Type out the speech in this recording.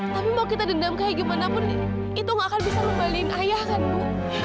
tapi mau kita dendam kayak gimana pun itu gak akan bisa ngebalin ayah kan bu